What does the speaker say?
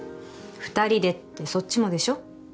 「二人で」ってそっちもでしょえっ？